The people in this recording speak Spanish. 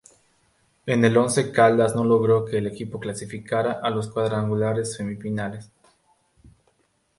En el Once Caldas no logró que el equipo clasificara a los cuadrangulares semifinales.